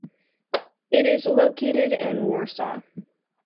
It is located in Warsaw.